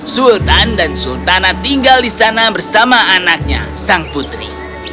sultan dan sultana tinggal di sana bersama anaknya sang putri